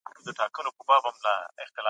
سياست د ټولني د رهبرۍ لپاره يو ډېر مهم هنر دی.